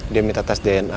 dia minta tes dna